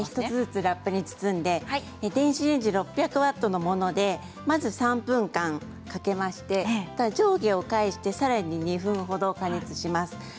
１つずつラップして電子レンジ６００ワットのものでまず３分間かけまして上下を返してさらに２分ほど加熱します。